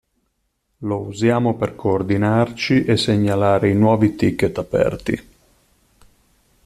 Lo usiamo per coordinarci e segnalare i nuovi ticket aperti.